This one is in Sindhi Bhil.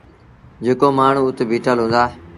جيڪو مآڻهوٚٚ اُت بيٚٺل هُݩدآ